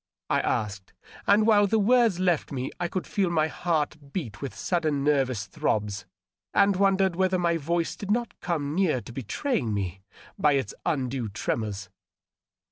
I asked, and while the words left me I could feel my heart beat with sudden nervous throbs, and wondered whether my voice did not come near to betraying me by its undue tremors.